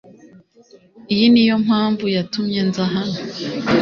Iyi niyo mpamvu yatumye nza hano